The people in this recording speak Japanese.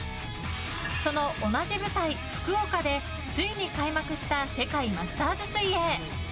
その同じ舞台福岡でついに開幕した世界マスターズ水泳。